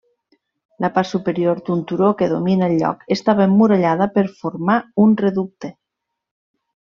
La part superior d'un turó que domina el lloc estava emmurallada per formar un reducte.